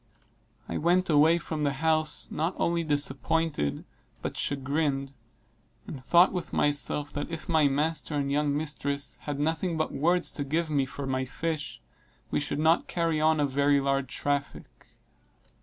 I went away from the house not only disappointed but chagrined, and thought with myself that if my master and young mistresses had nothing but words to give me for my fish, we should not carry on a very large traffic.